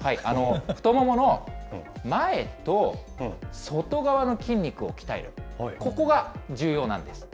太ももの前と外側の筋肉を鍛える、ここが重要なんです。